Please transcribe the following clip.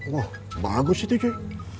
wah bagus itu coy